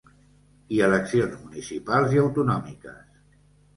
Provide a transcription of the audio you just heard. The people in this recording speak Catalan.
I eleccions municipals i autonòmiques.